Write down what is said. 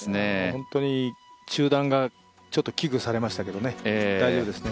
本当に中断がちょっと危惧されましたけどね、大丈夫ですね。